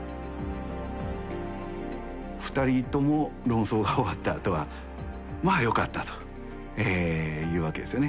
２人とも論争が終わったあとはまあよかったというわけですよね。